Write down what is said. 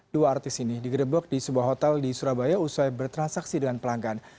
dua artis ini digerebek di sebuah hotel di surabaya usai bertransaksi dengan pelanggan